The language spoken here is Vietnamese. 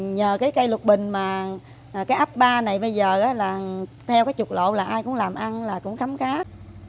nhờ cái cây lục bình mà cái áp ba này bây giờ là theo cái trục lộ là ai cũng làm ăn là cũng khám khát